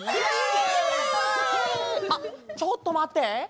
あっちょっとまって。